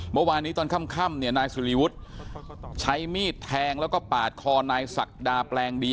เมื่อวานนี้ตอนค่ำเนี่ยนายสุริวุฒิใช้มีดแทงแล้วก็ปาดคอนายศักดาแปลงดี